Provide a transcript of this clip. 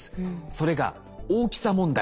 それが大きさ問題。